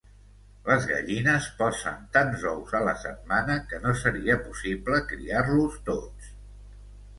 Les gallines posen tants ous a la setmana que no seria possible criar-los tots.